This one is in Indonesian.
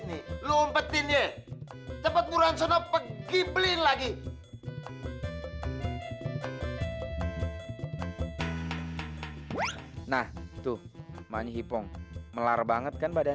nih lu umpetinnya cepet murahan sono pergi beliin lagi nah tuh makanya hipong melar banget kan badan